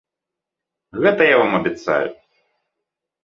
Гэта я вам абяцаю!